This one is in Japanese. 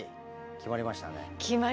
決まりましたね。